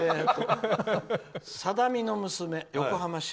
さだみの娘、横浜市。